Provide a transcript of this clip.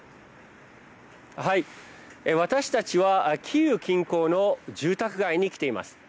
私たちはキーウ近郊の住宅街に来ています。